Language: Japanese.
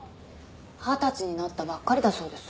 二十歳になったばっかりだそうです。